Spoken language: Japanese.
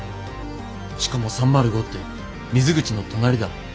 しかも３０５って水口の隣だ。